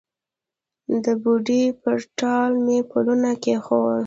د بوډۍ پر ټال مې پلونه کښېښول